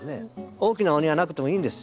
大きなお庭なくてもいいんです。